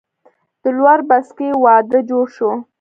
د لور بسکي وادۀ جوړ شو